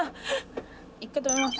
一回止めます。